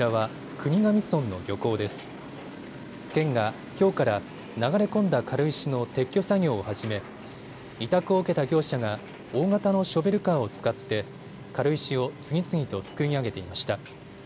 県が、きょうから流れ込んだ軽石の撤去作業を始め委託を受けた業者が大型のショベルカーを使って軽石を次々とすくい上げていました。